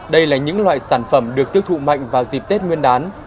đây là những loại sản phẩm được tiêu thụ mạnh vào dịp tết nguyên đán